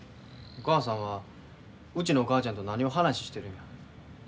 お母さんはうちのお母ちゃんと何を話してるんや？